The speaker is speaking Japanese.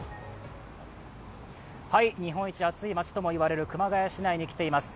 日本一暑い町ともいわれる熊谷市内に来ています。